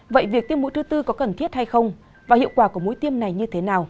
vậy việc tiêm mũi thứ tư có cần thiết hay không và hiệu quả của mũi tiêm này như thế nào